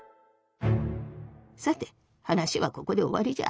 さて話はここで終わりじゃ。